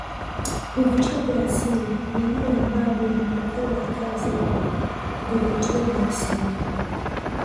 Vivutio vya asili na vile ambavyo ni matokeo ya kazi vivutio vya asili